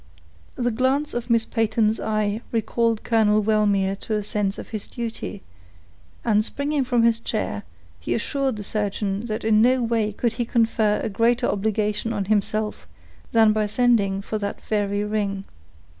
A glance of Miss Peyton's eye recalled Colonel Wellmere to a sense of his duty, and springing from his chair, he assured the surgeon that in no way could he confer a greater obligation on himself than by sending for that very ring.